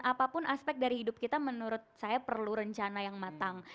apapun aspek dari hidup kita menurut saya perlu rencana yang matang